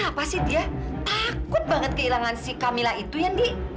kenapa sih dia takut banget kehilangan si kamila itu ya indi